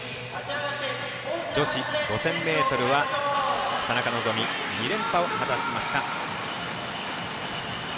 女子５０００ｍは田中希実、２連覇を果たしました。